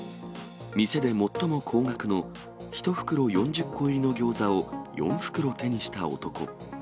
店で最も高額の１袋４０個入りのギョーザを４袋手にした男。